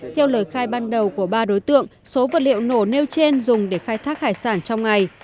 theo lời khai ban đầu của ba đối tượng số vật liệu nổ nêu trên dùng để khai thác hải sản trong ngày